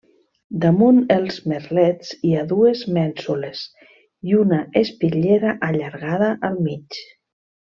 Damunt els merlets hi ha dues mènsules i una espitllera allargada al mig.